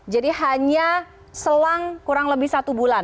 jadi hanya selang kurang lebih satu bulan